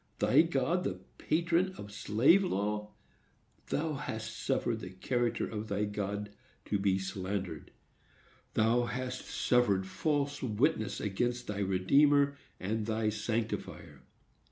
—thy God the patron of slave law! Thou hast suffered the character of thy God to be slandered. Thou hast suffered false witness against thy Redeemer and thy Sanctifier.